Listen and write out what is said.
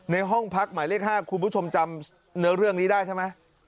ห้องพักหมายเลข๕คุณผู้ชมจำเนื้อเรื่องนี้ได้ใช่ไหม